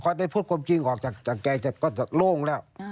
พอได้พูดความจริงออกจากแกก็จะโล่งแล้ว